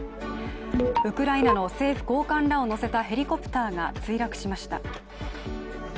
ウクライナの政府高官らを乗せたヘリコプターが墜落しました。